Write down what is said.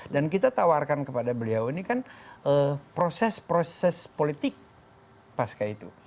dan kita tawarkan kepada beliau ini kan proses proses politik pasca itu